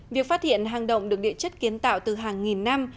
việc phát hiện hang động được địa chất kiến tạo từ hàng nghìn năm